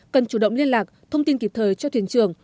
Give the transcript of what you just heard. cần chủ động liên lạc thông tin kịp thời cho thuyền trường